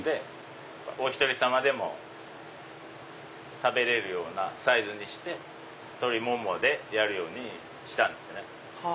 お１人さまでも食べれるようなサイズにして鶏ももでやるようにしたんですね。